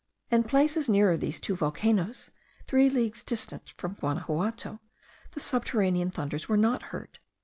In places nearer these two volcanoes, three leagues distant from Guanaxuato, the subterranean thunders were not heard.